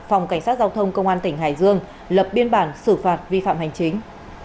phòng cảnh sát giao thông công an tỉnh hải dương lập biên bản xử phạt vi phạm hành chính